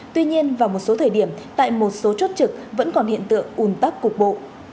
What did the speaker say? tuy nhiên vào một số thời điểm tại một số chốt trực vẫn còn hiện tượng ùn tắc cục bộ